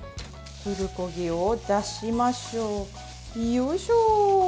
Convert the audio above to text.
プルコギを出しましょうよいしょ。